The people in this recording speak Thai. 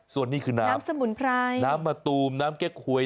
ส่วนนี้คือน้ำน้ำสมุนไพรน้ำมะตูมน้ำแก๊กหวย